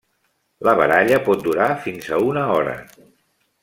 La baralla pot durar fins a una hora.